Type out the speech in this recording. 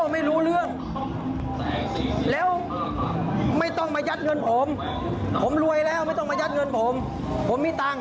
ไม่ต้องมายัดเงินผมผมรวยแล้วไม่ต้องมายัดเงินผมผมมีตังค์